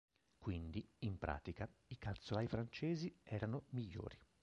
Quindi, in pratica, i calzolai francesi erano migliori.